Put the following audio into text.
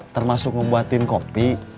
termasuk ngebuatin kopi